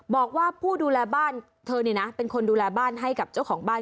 บอกว่าผู้ดูแลบ้านเธอนี่นะเป็นคนดูแลบ้านให้กับเจ้าของบ้าน